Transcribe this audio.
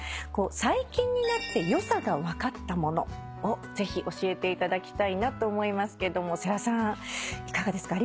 最近になって良さが分かったものをぜひ教えていただきたいなと思いますけども世良さんいかがですか？